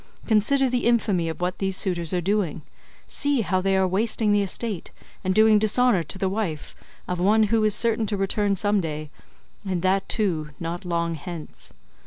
Consider the infamy of what these suitors are doing; see how they are wasting the estate, and doing dishonour to the wife, of one who is certain to return some day, and that, too, not long hence.